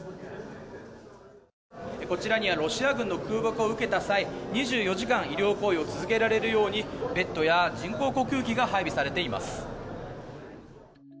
こちらにはロシア軍の空爆を受けた際２４時間医療行為を続けられるようにベッドや人工呼吸器が配備されています。